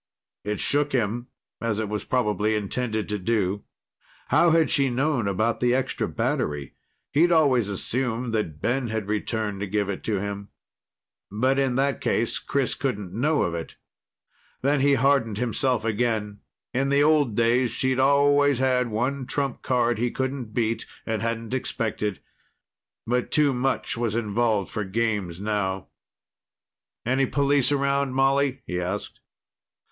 It shook him, as it was probably intended to do. How had she known about the extra battery? He'd always assumed that Ben had returned to give it to him. But in that case, Chris couldn't know of it. Then he hardened himself again. In the old days, she'd always had one trump card he couldn't beat and hadn't expected. But too much was involved for games now. "Any police around, Molly?" he asked.